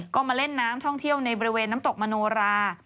ก็มาเล่นน้ำท่องเที่ยวในบริเวณน้ำตกมโนรา